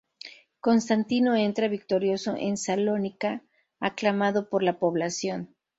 Constantino entra victorioso en Salónica, aclamado por la población.